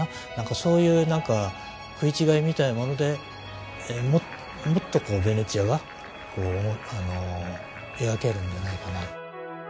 そういうなんか食い違いみたいなものでもっとこうヴェネチアが描けるんじゃないかな。